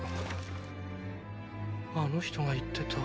あの人が言ってた？